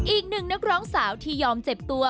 อีกหนึ่งนักร้องสาวที่ยอมเจ็บตัว